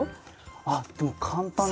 あっでも簡単に。